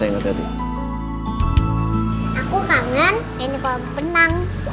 aku kangen main di kolam benang